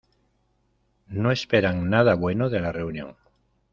No esperan nada bueno de la reunión.